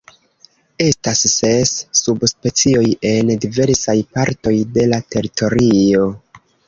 Estas ses subspecioj en diversaj partoj de la teritorio.